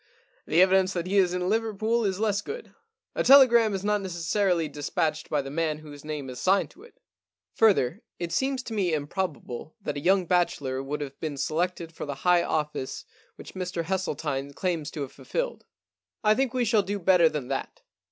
The evidence that he is in Liverpool is less good. A tele gram is not necessarily despatched by the man whose name is signed to it. Further, it seems to me improbable that a young bachelor would have been selected for the high office 169 The Problem Club which Mr Hesseltine claims to have fulfilled. I think we shall do better than that.